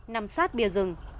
nằm sát bìa rừng